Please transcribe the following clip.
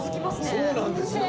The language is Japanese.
そうなんですよ。